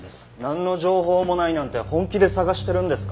なんの情報もないなんて本気で捜してるんですか？